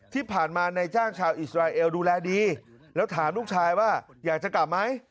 ที่ผ่านมานายจ้างชาวอิสราเอลดูแลดีแล้วถามลูกชายว่าอยากจะกลับไหม